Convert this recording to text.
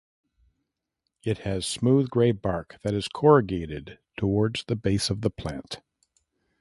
It has smooth grey bark that is corrugated towards the base of the plant.